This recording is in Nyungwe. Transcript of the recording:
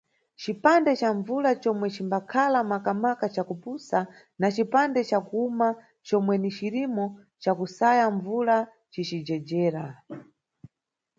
Cipande ca mbvula comwe cimbakhala maka-maka cakupsa na cipande ca kuwuma comwe ni cirimo cakusaya mbvula cici jejera.